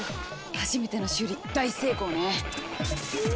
初めての修理大成功ね！